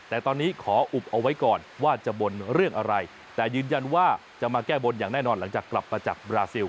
แต่ตอนนี้ขออุบเอาไว้ก่อนว่าจะบ่นเรื่องอะไรแต่ยืนยันว่าจะมาแก้บนอย่างแน่นอนหลังจากกลับมาจากบราซิล